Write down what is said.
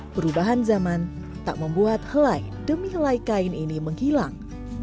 perubahan zaman tak membuat helai demi helai kain ini menghilang